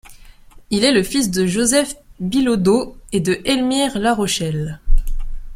Il est le fils de Joseph Bilodeau et de Elmire Larochelle.